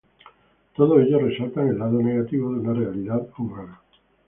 Todos ellos resaltan el lado negativo de una realidad humana.